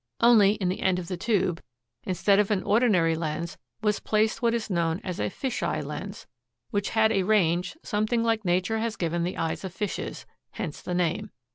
Only, in the end of the tube, instead of an ordinary lens, was placed what is known as a "fish eye" lens, which had a range something like nature has given the eyes of fishes, hence the name.